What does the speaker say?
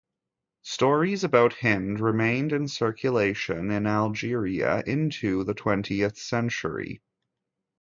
Stories about Hind remained in circulation in Algeria into the twentieth century.